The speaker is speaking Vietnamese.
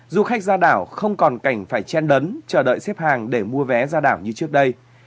du khách ra đảo không còn cảnh phải chen lấn chờ đợi xếp hàng để mua vé ra đảo như trước đây